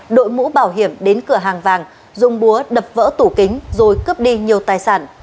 đội mũ bảo hiểm đến cửa hàng vàng dùng búa đập vỡ tủ kính rồi cướp đi nhiều tài sản